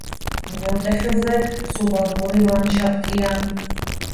უღელტეხილზე სუბალპური ლანდშაფტია.